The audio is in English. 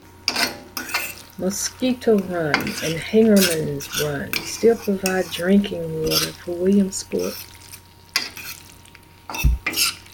Mosquito Run and Hagerman's Run still provide drinking water for Williamsport.